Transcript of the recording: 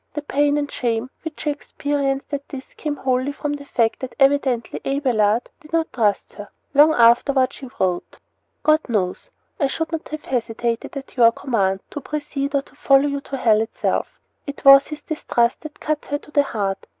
The pain and shame which she experienced at this came wholly from the fact that evidently Abelard did not trust her. Long afterward she wrote: God knows I should not have hesitated, at your command, to precede or to follow you to hell itself! It was his distrust that cut her to the heart.